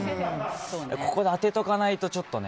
ここで当てとかないとちょっとね。